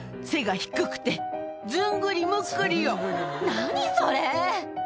何それ！